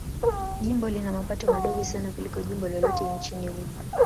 Jimbo lina mapato madogo sana kuliko jimbo lolote nchini humo.